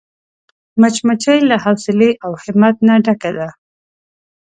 مچمچۍ له حوصلې او همت نه ډکه ده